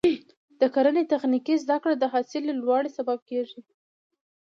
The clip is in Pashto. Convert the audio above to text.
د کرنې تخنیکي زده کړه د حاصل لوړوالي سبب کېږي.